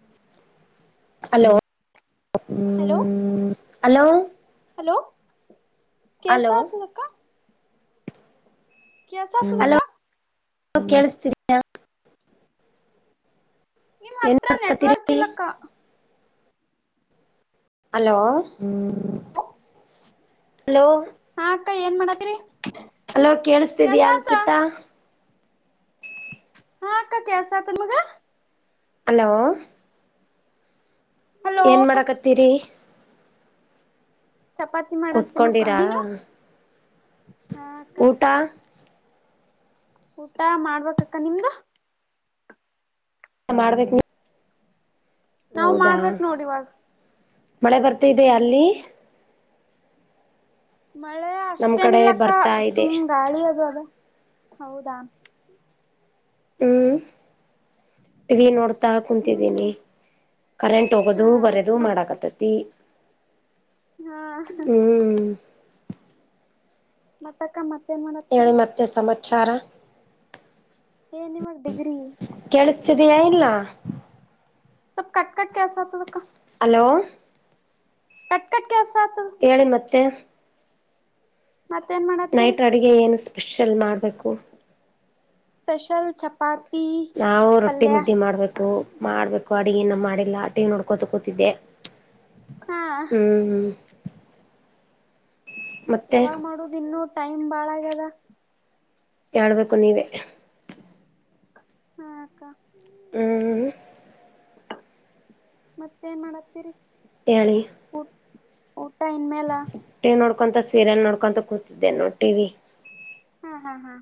[unintelligible] Hello hello hello hello hello ಕೆಸ ಆತದಕ್ಕ ಕೆಸತದ್ ಅಕ್ಕ ಕೇಳಸ್ ತಿದ್ಯ. ನಿಮ್ ಎನ್ ಹತ್ರ ಮಾಡ್ ಕತಿರಿ. ನೆಟ್ವರ್ಕ್ ಇಲ್ಲಕ್ಕ ಹಲೋ ಹ್ಮ್ ಹಲೋ. ಹಾ ಅಕ್ಕ ಏನ್ ಮಾಡತ್ತಿರಿ. ಹಲೋ ಕೇಳಸ್ತಿದೀಯಾ ಅಂಕಿತಾ. ಹಾ ಅಕ್ಕ ಕೆಳ್ಸಾತದ್ ನಿಮಗ. ಹಲೋ ಹಲೋ ಏನ್ ಮಾಡಕತ್ತೀರಿ ಚಪಾತಿ ಮಾಡತಿನಿ ಅಕ್ಕ ಕುೂತ್ಕೊಂಡಿರಾ ನೀನು ಹಾ ಅಕ್ಕ. ಊಟ ಊಟ ಮಾಡ್ಬೇಕಕ್ಕ ನಿಮ್ದು. ಮಾಡ್ಬೇಕ್ ನೀ. ದ್ ನಾವ್ ಹೌದಾ ಮಾಡ್ಬೇಕ್ ನೋಡಿ ಇವಾಗ ಮಳೆ ಬರ್ತಿದ್ಯಾ ಅಲ್ಲಿ. ಹ್ಮ್ ಮಳೆ ನಮ್ ಕಡೆ ಅಷ್ಟೇನಿಲ್ಲಕ್ಕ ಬರ್ತಾ ಇದೆ ಸುಮ್ ಗಾಳಿ ಅದು ಅದ ಹೌದಾ. ಹ್ಮ್ ಟಿವಿ ನೋಡ್ತಾ ಹ್ಮ್ ಕುಂತಿದಿನಿ. ಕರೆಂಟ್ ಹಾ ಹೋಗದು ಬರದು ಮತ್ತ ಮಾಡಾಕತೈತಿ. ಹಾ ಹ್ಮ್ ಮತ್ತಕ್ಕ ಮತ್ ಏನ್ ಮಾಡತ್ತಿರಿ. ತೆ ಸಮಾಚಾರ. ಏನ್ ಇವಾಗ್ ಡಿಗ್ರಿ. ಕೇಳಸ್ತಿದಿಯಾ ಇಲ್ಲ. ಸ್ವಲ್ಪ ಕಟ್ ಕಟ್ ಕೆಳ್ಸಾತದಕ್ಕ. ಹಲೋ. ಕಟ್ಕಟ್ ಕೆಳ್ಸಾತದ. ಹೇಳಿ ಮತ್ತೆ. ಮತ್ತೇನ್ ಮಾಡತ್ತೀರಿ. ನೈಟ್ ಅಡುಗೆ ಏನು ಸ್ಪೆಷಲ್ ಮಾಡಬೇಕು. ಸ್ಪೆಷಲ್ ಚಪಾತ್. ನಾವು ರೊಟ್ಟಿ ಮುದ್ದಿ ಮಾಡ್ಬೇಕು. ಮಾಡ್ಬೇಕು ಅಡಗಿ ಇನ್ನ ಮಾಡಿಲ್ಲ ಟಿವಿ ನೋಡ್ಕೋತ ಕುತಿದ್ದೆ ಹಾ ಹ್ಮ್ ಮತ್ತೆ ಯಾವಾಗ ಮಾಡುದ ಇನ್ನು ಟೈಮ್ ಬಾಳ ಆಗ್ಯದ ಹೇಳ್ಬೇಕು ನೀವೇ ಹಾ ಅಕ್ಕ ಹ್ಮ್ [unintelligible] ಮತ್ತೇನ್ ಮಾಡತ್ತೀರಿ. ಏಳಿ. ಊಟ ಇನ್ನಿಲ್ಲ. ಟಿವಿ ನೋಡ್ಕೊಂತ ಸೀರಿಯಲ್ ನೋಡ್ಕೊಂತ ಕೂತಿದ್ದೆ ನೋಡ ಟಿವಿ ಹಾ ಹಾ ಹಾ.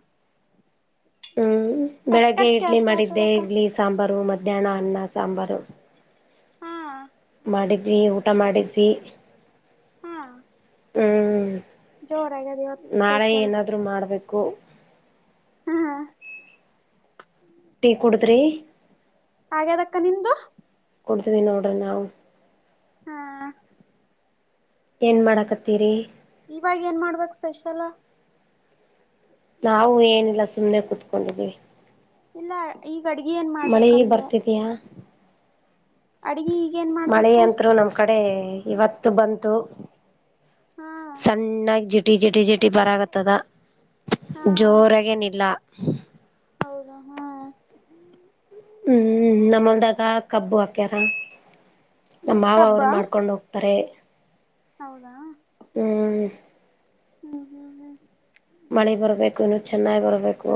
ಹ್ಮ್ ಕಟ್ ಬೆಳಗ್ಗೆ ಕಟ್ ಇಡ್ಲಿ ಕೆಲ್ಸ ಮಾಡಿದ್ದೆ ಆತದಕ್ಕ ಇಡ್ಲಿ ಸಾಂಬಾರು ಮಧ್ಯಾಹ್ನ ಅನ್ನ ಸಾಂಬಾರು. ಹಾ. ಮಾಡಿದ್ವಿ ಊಟ ಮಾಡಿದ್ವಿ. ಹಾ. ಹ್ಮ್. ಜೋರಾಗ್ಯಾದ್ ಇವತ್ ಸ್ಪೇಷಲ್. [unintelligible] ಮಾಡಬೇಕು. ಹಾ ಹಾ. ಟೀ ಕುಡುದ್ರಿ. ಆಗ್ಯದಕ್ಕ ನಿಮ್ದು ಕುಂತಿದಿವಿ ನೋಡ್ರಿ ನಾವು. ಹಾ. ಏನ್ ಮಾಡಕತ್ತೀರಿ. ಇವಾಗ ಏನ್ ಮಾಡ್ಬೇಕ್ ಸ್ಪೆಷಲ. ನಾವು ಏನಿಲ್ಲ ಸುಮ್ಮ್ನೆ ಕುೂತ್ಕೊಂಡಿದ್ದೀವಿ. ಇಲ್ಲ ಈಗ ಅಡ್ಗಿ ಏನ್ ಮಳೆ ಮಾಡ್ಬೇಕ ಅಂದೇ. ಬರ್ತಿದಯಾ ಅಡ್ಗಿ ಈಗೇನ್ ಮಳೆ ಮಾಡ್ಬೇಕು ಅಂತ್ರು ನಮ್ ಕಡೆ ಇವತ್ತು ಬಂತು. ಹಾ ಸಣ್ಣಾಗಿ ಜಿಟಿ ಜಿಟಿ ಜಿಟಿ ಬರಾಗತ್ತದ. ಹಾ ಜೋರಾಗೇನಿಲ್ಲ. ಹೌದಾ ಹಾ. ಹ್ಮ್ ನಮ್ಮಲ್ದಾಗ ಕಬ್ಬು ಹಾಕ್ಯಾರ ನಮ್ಮ ಮಾವ ಕಬ್ಬ ಅವರು ಮಾಡ್ಕೊಂಡ್ ಹೋ. [unintelligible] ಹೌದಾ. ಹ್ಮ್. ಹ್ಮ್ ಹ್ಮ್ ಹ್ಮ್. ಮಳಿ ಬರಬೇಕು ಇನ್ನು ಚೆನ್ನಾಗಿ ಬರಬೇಕು.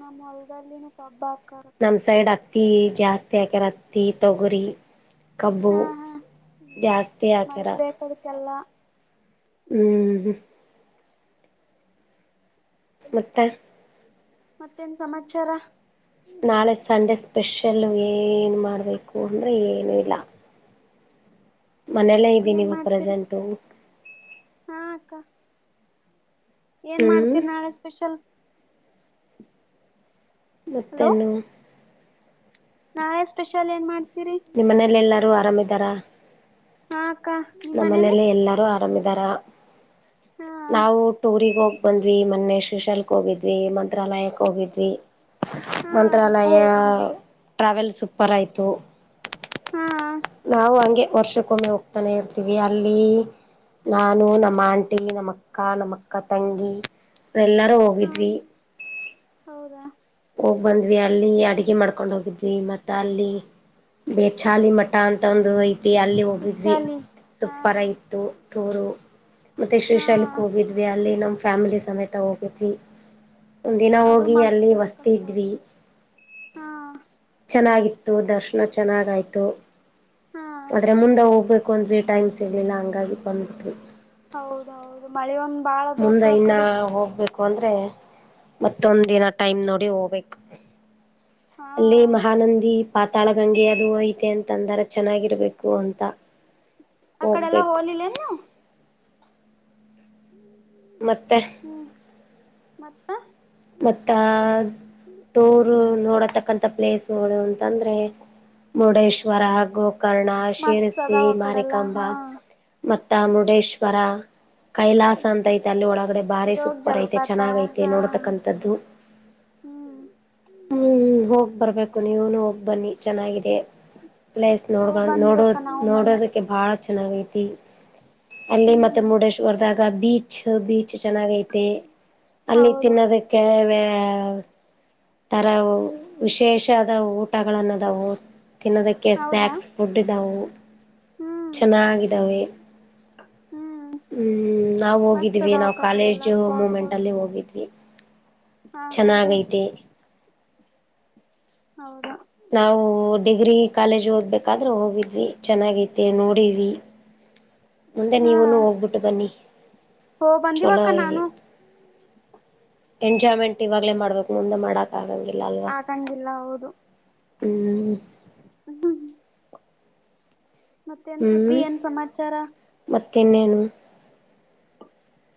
ನಮ್ಮ ಹೊಲ್ದಲ್ಲಿನ. [unintelligible] ನಮ್ಮ್ ಸೈಡ್ ಅತ್ತಿ ಜಾಸ್ತಿ ಹಾಕ್ಯಾರ ಅತ್ತಿ ತೊಗರಿಿ. ಕಬ್ಬು ಹಾ ಜಾಸ್ತಿ ಹಾಕ್ಯರ. ಅದಕ್ಕೆಲ್ಲ. ಹ್ಮ್ [unintelligible] ಮುತ್ತೆ ಮತ್ತೇನ್ ಸಮಾಚಾರ ನಾಳೆ ಸಂಡೆ ಸ್ಪೆಷಲ್ಲ ವೇ ಏನು ಮಾಡಬೇಕು ಅಂದರೆ ಏನೂ ಇಲ್ಲ ಮನೇಲ್ಲೇ ಇದ್ದಿನಿ ಏನ್ [unintelligible] ಮಾಡ್ತೀರಿ ಪ್ರೆಸೆಂಟು ಹಾ ಅಕ್ಕ ಏನ್ ಹ್ಮ್ ಮಾಡ್ತೀರಿ ನಾಳೆ ಸ್ಪೆಷಲ್ ಹಲೋ ಮುತ್ತೇನು ನಾಳೆ ಸ್ಪೆಷಲ್ ಏನ್ ಮಾಡ್ತೀರಿ ನಿಮ್ಮ ಮನೇಲಿ ಎಲ್ಲರೂ ಆರಾಮ್ದಾರಾ ಹಾಕ್ಕಾ ನಮ್ಮ ಮನೆಯಲ್ಲಿ ಎಲ್ಲಾರು ಆರಾಮಿದಾರ ಹಾ ನಾವು ಟೂರಿಗೆ ಹೋಗಿ ಬಂದ್ವಿ ಮೊನ್ನೆ ಶೀಶಲ್ಕ್ ಹೋಗಿದ್ವಿ ಮಂತ್ರಾಲಯಕ್ಕೆ ಹೋಗಿದ್ವಿ ಹಾ ನಾವು ಮಂತ್ರಾಲಯ ಹೋಗ್ ಬಂದ್ವಿ ಟ್ರಾವೆಲ್ ಸೂಪರ್ ಆಯ್ತು ಹಾ ಹ ನಾವು ಹಂಗೆ ವರ್ಷಕ್ಕೊಮ್ಮೆ ಹೋಗ್ತಾನೆ ಇರ್ತೀವಿ ಅಲ್ಲಿ ನಾನು ನಮ್ಮ ಆಂಟಿ ನಮ್ಮ ಅಕ್ಕ ನಮ್ಮ ಅಕ್ಕ ತಂಗಿ ಎಲ್ಲಾರೂ ಹಾ ಹೋಗಿದ್ವಿ ಹೌದಾ ಹೋಗ್ ಬಂದ್ವಿ ಅಲ್ಲಿ ಅಡಗೆ ಮಾಡ್ಕೊಂಡ್ ಹೋಗಿದ್ವಿ ಮತ್ತ ಅಲ್ಲಿ ಬೇಚಾಲಿ ಮಠ ಅಂತ ಒಂದು ಐ ಅಲ್ಲಿ ಹೋಗಿದ್ವಿ ಬಿಚ್ಚಾಲಿ ಹಾ ಸುಪ್ಪರ್ ಇತ್ತು ಟೂರು ಮತ್ತೆ ಹಾ ಶ್ರೀಶಲ್ಕ್ ಹೋಗಿದ್ವಿ ಅಲ್ಲಿ ನಮ್ಮ್ ಫ್ಯಾಮಿಲಿ ಸಮೇತ ಹೋಗಿದ್ವಿ ಒಂದ ದಿನ ಅದು ಹೋಗಿ ಮಸ್ತ್ ಅಲ್ಲಿ ಬಸ್ ಅದಕ್ಕ ಸ್ಪಾಟ್ ಹಾ ಚೆನ್ನಾಗಿತ್ತು ದರ್ಶನ ಚೆನ್ನಾಗಾಯ್ತು ಹಾ ಆದ್ರೆ ಮುಂದೆ ಹೋಗ್ [unintelligible] [unintelligible] ಟೈಮ್ ಸಿಗಲಿಲ್ಲ ಹಂಗಾಗಿ ಬಂದಬಿಟ್ವಿ ಹೌದೌದು ಮಳೆ ಒಂದ ಬಾಳ [unintelligible] ಆ ಕಡಿ ಹೋಗ್ಬ [unintelligible] [unintelligible] ಅಂದ್ರೆ ಮತ್ತೊಂದ ದಿನ ಟೈಮ್ ನೋಡಿ ಹೋಗ್ಬೇಕು ಹಾ ಅಲ್ಲಿ ಮಹಾನಂದಿ ಪಾತಾಳ ಗಂಗೆ ಅದು ಐತೆ ಅಂತಂದಾರ ಚೆನ್ನಾಗಿರ್ಬೇಕು ಅಂತ ಆ ಕಡೆಲ್ಲ ಹೋಗ್ಬೇಕು ಹೋಲಿಲ್ಲೇನ್ ನೀವು ಮತ್ತೆ ಹ್ಮ್ ಮತ್ತ ಮತ್ತ ಟೂರ್ ನೋಡತಕ್ಕಂಥ ಪ್ಲೇಸ್ುಗಳು ಅಂತಂದ್ರೆ ಮುರುಡೇಶ್ವರ ಹಾಗು ಕರ್ಣ ಮಸ್ತ್ ಶಿರಸಿ ಅದಾವ ಆ ಕಡೆಲ್ಲ ಮಾರಿಕಂಬ ಹಾ ಮತ್ತ ಮುರುಡೇಶ್ವರ ಕೈಲಾಸ ಅಂತ ಐತೆ ಅಲ್ಲಿ ಒಳಗಡೆ ಬಾರಿ ಜೋಗ ಸೂಪರ್ ಐತೆ ಜಲಪಾತ ಚೆನ್ನಾಗ ಐತೆ ಹಾ ನೋಡತಕ್ಕಂತ ತದು ಹ್ಮ್ ಹ್ಮ್ ಹೋಗ್ ಬರ್ಬೇಕು ನೀವನು ಹೋಗ್ ಬನ್ನಿ ಚೆನ್ನಾಗಿದೆ ಪ್ಲೇಸ್ ಹೋಗ ನೋಡ್ಕ ನೋಡ ಬಂದ್ವಕ್ಕ ನಾವು ಮೊನ್ನೆ ನೋಡೋದ ಬಹಳ ಚೆನ್ನಾಗ ಐತಿ ಅಲ್ಲಿ ಹ್ಮ್ ಮತ್ತೆಡ ಹೊಡದಾಗ ಬೀಚ್ ಬೀಚ್ ಚೆನ್ನಾಗ ಐತೆ ಅಲ್ಲಿ ಹೌದು ತಿನ್ನೋದ ಕೆವೇ ತರ ವಿಶೇಷಾದ ಊಟನ್ನದ ತಿನ್ನೋದಕ್ಕೆ ಕೆ ಹೌದಾ ಸ್ನಾಯಕ್ಸ್ ಫುಡ್ ಇದ್ದವು ಹ್ಮ್ ಚೆನ್ನಾಗಿದ್ದಾವೆ ಹ್ಮ್ ಹ್ಮ ನಾವು ಮಸ್ತ್ ಹೋಗಿದ್ವಿ ನಾವು ಅದಾವಕ್ಕ ಆ ಕಡೆ ಎಲ್ಲಾ ಕಾಲೇಜು ಸ್ಪಾಟ್ಗಳು ಮೂಮೆಂಟಲ್ಲಿ ಹೋಗಿದ್ವಿ ಹಾ ಹಾ ಹಾ ಚೆನ್ನಾಗೈತಿ ಹೌದುಾ ನಾವು ಡಿಗ್ರಿ ಕಾಲೇಜ್ ಓದ್ಬೇಕಾದ್ರೆ ಹೋಗಿದ್ವಿ ಚೆನ್ನಾಗೈತೆ ನೋಡಿದ್ವಿ ಮುಂದೆ ಹಾ ನೀವುನು ಹೋಗ್ಬಿಟ್ಟು ಬನ್ನಿ ಹೋ ಚಲೋ ಬಂದಿವಕ್ಕ ನಾನು ಎಂಜಾಯ್ಮೆಂಟ್ ಇವಾಗ್ಲೇ ಮಾಡ್ಬೇಕು ಮುಂದೆ ಮಾಡಕ್ ಆಗಂಗಿಲ್ಲ ಅಲ್ವಾ ಆಗಂಗಿಲ್ಲ ಹೌದು ಹ್ಮ್ ಹ್ಮ್, ಹ್ಮ್ ಮತ್ತೇನ್ ಸುದ್ದಿ ಏನ್ ಸಮಾಚಾರ, ಮತ್ತೆ ಇನ್ನೆನು.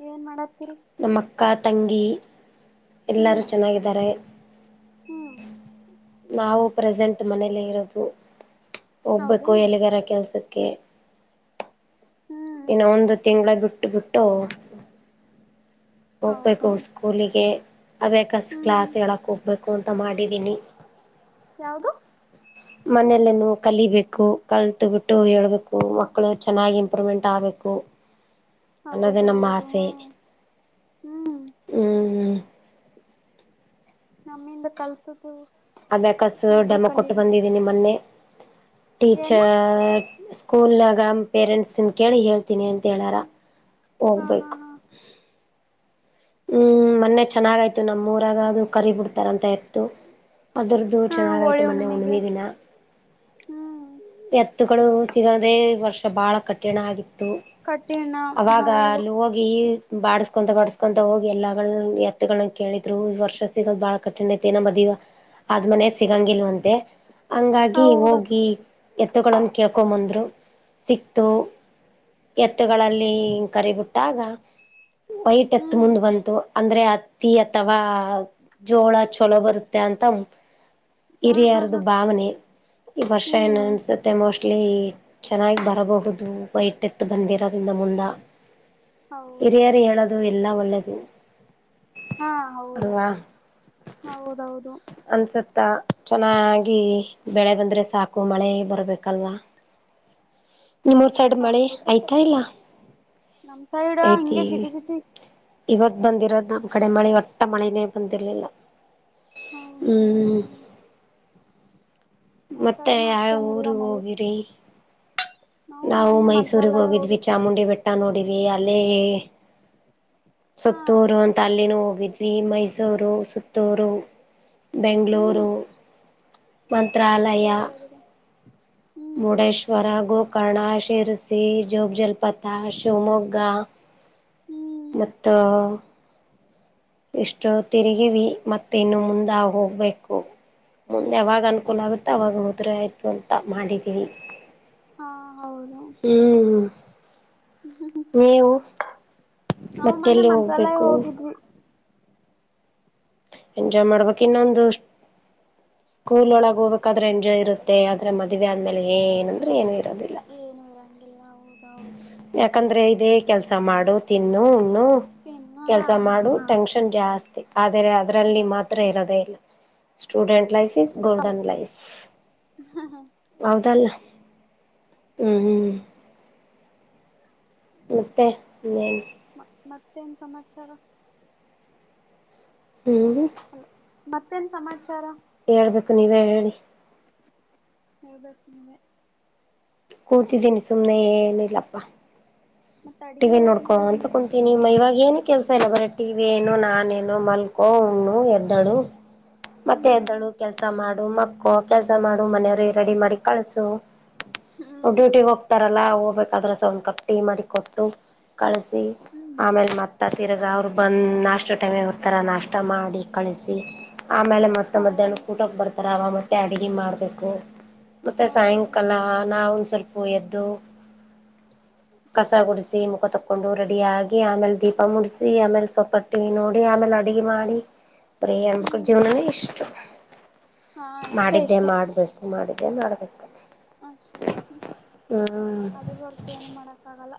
ಏನ ಮಾಡತ್ತೀರಿ, ನಮ್ಮ ಅಕ್ಕಾ, ತಂಗಿ, ಎಲ್ಲಾರು ಹ್ಮ್ ಚೆನ್ನಾಗಿದ್ದಾರೆ. ಹ್ಮ್ ನಾವು ಪ್ರೆಸೆಂಟ್ ಮನೇಲೆ ಇರೋದು ಹೋಗ್ಬೇಕು ಹೌದೇನು ಎಲಿಗಾರ ಕೆಲ್ಸಕ್ಕೆ, ಹ್ಮ್ ಇನ್ನಾ ಒಂದು ತಿಂಗಳ ಬಿಟ್ಟು ಬಿಟ್ಟು, ಹೌದು ಹೋಗ್ಬೇಕು ಸ್ಕೂಲಿಗೆ. ಅವ್ಯೇಕ ಹ್ಮ್ ಹ್ಮ್ ಕ್ಲಾಸ್ ಹೇಳಕ್ ಹೋಗ್ಬೇಕು ಅಂತ ಮಾಡಿದೀನಿ. ಯಾವದು, ಮನೆಯಲ್ಲೇನು ಕಲಿಬೇಕು ಕಲ್ತುಬಿಟ್ಟು ಹೇಳಬೇಕು. ಮಕ್ಕಳು ಚೆನ್ನಾಗಿ ಇಂಪ್ರೂವ್ಮೆಂಟ್ ಆಗಬೇಕು, ಹೌದ ಅನ್ನದೆೇ ನಮ್ಮ ಹೌದು ಹ ಆಸೆ. ಹ್ಮ್ ಹ್ಮ, ಹ್ಮ ನಮ್ಮಿಂದ [unintelligible] ಅಬೆಕಾಸ್ ಇನ್ನೊಬ್ರು ಡೆಮೊ ಕೊಟ್ಟ ಕಲೀಲಿ ಬಂದಿದೀನಿ ಮೊನ್ನೆ. ಏನು ಟೀಚರ್, ಸ್ಕೂಲ್ನ್ಯಾಗ ಪೇರೆಂಟ್ಸ್ನ್ ಕೇಳಿ ಹೇಳ್ತೀನಿ ಅಂತ ಹೇಳ್ಯಾರ. ಹಾ, ಹಾ, ಹಾ ಹ್ಮ್ ಮೊನ್ನೆ ಚೆನ್ನಾಗಾಯ್ತು ನಮ್ಮೂರಾಗ ಅದು ಕರಿ ಬಿಡ್ತಾರಂತ ಎತ್ತು. ಅದರದ್ದು ಹಾ ಚೆನ್ನಾಗಾಯಿತು ಹೋಳಿ ಮೊನ್ನೆ ಹುಣ್ಣಿಮೆಗೆ ಹುಣ್ಣಿಮೆ ದಿನ ಹ್ಮ್ ಎತ್ - - ಗಳು ಸಿಗದೇ ವರ್ಷ ಬಹಳ ಕಠಿಣ ಆಗಿತ್ತು. ಕಠಿಣ ಅವಾಗ ಹೌದು ಅಲ್ಲಿ ಹೊಗಿ ಇ ಬಾಡಸ್ಕೊಂತ ಬಾಡಸ್ಕೊಂತ ಹೋಗಿ ಎಲ್ಲಗಳ್ ಎತ್ಗಳ ಕೇಳಿದ್ರು ಇ ವರ್ಷ ಸಿಗದ ಬಾಳ ಕಠ ತೆನ ಮದಿವ ಅದ್ ಮನೆ ಸಿಗಂಗಿಲ್ವಂತೆ ಹಂಗಾಗಿ ಹೌದಕ್ಕ ಹೋಗಿ ಎತ್ತುಗಳನ್ನು ಕೇಳ್ಕೊಂಬಂದ್ರು ಸಿಕ್ತು. ಎತ್ತುಗಳಲ್ಲಿ ಕರಿಬಿಟ್ಟಾಗ ವೈಟ್ ಎತ್ತ ಹ್ಮ್ ಬಂತು ಅಂದ್ರೆ ಅತ್ತಿ ಅಥವಾ ಜೋಳ ಚಲೋ ಬರುತ್ತೆ ಅಂತ, ಹಾ ಹಾ ಹಿರಿಯಾರ್ದು ಹಾ ಭಾವನೆ ಈ ವರ್ಷ ಏನು ಹ್ಮ್ ಅನ್ಸುತ್ತೆ. ಮತ್ತೆ ಮೋಸ್ಟ್ಲಿ ಚೆನ್ನಾಗಿ ಬರಬಹುದು ವೈಟ್ ಎತ್ತು ಬಂದಿರೋದ್ರಿಂದ ಮುಂದ. ಹೌದು ಹಿರಿಯರು ಹೇಳದು ಎಲ್ಲ ಒಳ್ಳೆದು. ಹಾ ಹೌದ ಅಕ್ಕ ಹೌದೌದು. ಅನ್ಸುತ್ತ ಚೆನ್ನಾಗಿ ಬೆಳೆ ಬಂದ್ರೆ ಸಾಕು. ಮಳೆ ಬರ್ಬೇಕಲ್ವಾ, [inaudible] ನಿಮ್ಮೂರು ಸೈಡ್ ಮಳೆ ಹೌದು ಆಯ್ತಾ ಇಲ್ಲ, ನಮ್ ಸೈಡ್ ಐತಿ. ಹಂಗೆ ಜಿಟಿ ಜಿಟಿ ಇವತ್ ಬಂದಿರೋದ್ ನಮ್ ಕಡೆ ಮಳೆ ಒಟ್ಟ ಮಳಿನೆ ಬಂದಿರ್ಲಿಲ್ಲ. ಹೌದು ಹ್ಮ್. ನಮ್ ಮತ್ತೆ ಸೈಡ್ನು ಯಾವ ಯಾವ ಅಷ್ಟೇನಿಲ್ಲ ಊರು ಮಳೆ ಹೋಗಿರಿ. ನಾವು ಮೊನ್ನೆ ಮೈಸೂರ್ಗ್ ಮಂತ್ರಾಲಯ ಹೋಗಿದ್ವಿ. ಹೋಗಿ ಚಾಮುಂಡಿ ಬೆ ಟ್ಟ ನೋಡಿವಿ. ಅಲ್ಲೇ ಹಾ ಸುತ್ತೂರು ಅಂ ತ ಅಲ್ಲಿನೂ ಹೋಗಿದ್ವಿ. ಮೈಸೂರು, ಸುತ್ತೂರು, ಹ್ಮ್ ಬೆಂಗಳೂರು, ಮಂತ್ರಾಲಯ, ಜೋರಾಗಿದೆ ಹ್ಮ್ ಮುರ್ಡೆಶ್ವ ಶ್ವ್ ರಾ ಗೋಕರ್ಣ, ಶಿರ್ಸಿ, ಜೋಗ ಜಲಪಾತ, ಶಿವಮೊಗ್ಗ, ಹ್ಮ್. ಮತ್ತ, ಇಷ್ಟು ತಿರುಗಿವಿ. ಮತ್ತ ಇನ್ನು ಮುಂದೆ ಹೋಗ್ಬೇಕು. ಮುಂದೆ ಯಾವಾಗ ಅನುಕೂಲ ಆಗುತ್ತೋ ಅವಾಗ ಹೊದ್ರೆ ಆಯಿತು ಅಂತ ಮಾಡಿದ್ದೀವಿ. ಹಾ ಹೌದು. ಹ್ಮ್. ನೀವು ನಾವು ಮತ್ತೆ ಮೊನ್ನೆ ಎಲ್ಲಿ ಮಂತ್ರಾಲಯ ಹೋಗ್ಬೇಕು. ಹೋಗಿದ್ವಿ ಎಂಜಾಯ್ ಮಾಡ್ಬೇಕ್ ಇನ್ನೊಂದು. ಸ್ಕೂಲ್ ಒಳಗೆ ಹೋಗಬೇಕಾದ್ರೆ ಎಂಜಾಯ್ ಇರುತ್ತೆ ಆದ್ರೆ ಮದ್ವೆ ಆದ್ಮೇಲೆ ಏನಂದ್ರೆ ಏನು ಇರೋದಿಲ್ಲ. ಏನು ಇರಂಗಿಲ್ಲ ಹೌದೌದು. ಯಾಕಂದ್ರೆ ಇದೆ ಕೆಲ್ಸ ಮಾಡು ತಿನ್ನು, ಹುಣ್ಣು, ಇನ್ನು ಹಾ ಕೆಲ್ಸ ಹಾ ಮಾಡು ಹಾ ಟೆನ್ಷನ್ ಜಾಸ್ತಿ. ಆದರೆ ಅದರಲ್ಲಿ ಮಾತ್ರ ಜಾಸ್ತಿ ಜಾಸ್ತಿ ಇರೋದೇ ಇಲ್ಲ student life is golden life ಹಾ ಹಾ ಹೌದಲ್ಲ ಹ್ಮ್ ಹ್ಮ್ ಮತ್ತೆ ಇನ್ನೇನ ಮ ಮತ್ತೇನ್ ಸಮಾಚಾರ ಹೇಳಿ ಅಲ ಮತ್ತೇನ್ ಸಮಾಚಾರ ಹೇಳ್ಬೇಕು ನೀವ ಹೇಳಿ ಹೇಳ್ಬೇಕು ನಿನೆ ಕೂತಿದ್ದೀನಿ ಸುಮ್ನೆ ಏನಿಲ್ಲಪ್ಪ ಮತ್ತೆ ಅಡ್ಗೆ ಟಿವಿ ಯಾವಾಗ ಮಾಡೋದು ನೋಡ್ಕೊಂತ ಕುಂ [unintelligible] ಏನು ಕೆಲಸ ಇಲ್ಲ ಬರೀ ಟಿವಿ ಏನು ನಾನೇನು ಮಲ್ಕೋ ಊಣ್ಣು ಎದ್ದಳು [inaudible] ಮತ್ತೆ ಹ್ಮ್ ಎದ್ದಳು ಕೆಲ್ಸ ಮಾಡು ಮಕ್ಕು ಕೆಲ್ಸ ಮಾಡು ಮನೆಯವರು ರೆಡಿ ಮಾಡಿ ಕಳ್ಸು ಹ್ಮ್ ಡ್ಯೂಟಿ ಹೋಗ್ತಾರಲ್ಲ ಹೋಗ್ಬೇಕಾದ್ರ ಸ್ವಲ್ಪ ಕಪ್ ಟೀ ಮಾಡಿ ಕೊಟ್ಟು ಕಳಸಿ ಹ್ಮ್ ಆಮೇಲೆ ಮತ್ತೆ ಮತ್ತು ತಿರ್ಗ ಅವ್ರು ಬಂದು ನಾಷ್ಟ ಟೈಮ್ ಬಾರ್ತಾರೆ ನಾಷ್ಟ ಮಾಡಿ ಕಳಿಸಿ ಆಮೇಲೆ ಮತ್ತ್ ಮತ್ತ ಹೌದು ಮಧ್ಯಾಹ್ನ ಕ ಊಟ ಕ್ ಬರ್ತಾರ ಅವ ಮತ್ತೆ ಅಡಗೆ ಮಾಡ್ಬೇಕು ಮತ್ತೆ ಹೌದು ಸಾಯಂಕಾಲ ನಾವು ಸ್ವಲ್ಪ ಎದ್ದು ಕಸ ಗುಡ್ಸ್ ಸಿ ಮುಖ ತಕೊಂಡು ರೆಡಿ ಆಗಿ ಆಮೇಲೆ ದೀಪ ಮುಡಿಸಿ ಆಮೇಲೆ ಸೊಪ್ಪ ಟಿವಿ ನೋಡಿ ಆಮೇಲೆ ಅಡುಗೆ ಮಾಡಿ ಬರಿ ಹೆಣ್ಣು ಮಕ್ಕಳು [unintelligible] ಹ್ಮ್ ಜೀವನಾನೇ ಇಷ್ಟು ಹಾ ಇಷ್ಟೇ ಮಾಡಿದ್ದೆ ಇಷ್ಟೇ ಮಾಡ್ಬೇಕು ಮಾಡಿದ್ದೆ ಮಾಡ್ಬೇಕು ಅಷ್ಟೇ ಹ್ಮ್ ಅದು ಹೊರತು ಏನು ಮಾಡಕ್ಕ ಆಗಲ್ಲ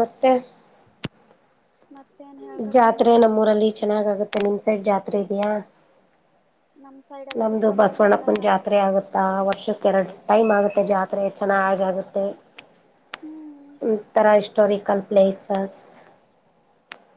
ಮತ್ತೆ ಮತ್ತೇನ್ ಹೇಳ್ಬೇಕಕ್ ಜಾತ್ರೆ ನಿವೆ ಎಲ್ಲ ನಮ್ಮೂರಲ್ಲಿ ಚೆನ್ನಾಗಾಗುತ್ತೆ ನಿಮ್ ಸೈಡ್ ಜಾತ್ರೆ ಇದೆಯಾ ನಮ್ ಸೈಡ್ ಎಲ್ಲ ನಮ್ದು ಡಿಸೆಂಬರ್ಗೆ ಎಲ್ಲಾ ಬಸವಣ್ಣಪ್ಪಂದು ಜಾತ್ರೆ ಆಗುತ್ತೆ ವರ್ಷಕ್ಕೆ ಎರಡು ಟೈಮ್ ಆಗುತ್ತೆ ಜಾತ್ರೆ ಚೆನ್ನಾಗಿ ಆಗುತ್ತೆ ಹ್ಮ್ ಒಂತರ ಹಿಸ್ಟಾರಿಕಲ್ ಪ್ಲೇಸಸ್